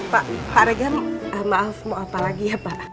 pak regan maaf mau apa lagi ya pak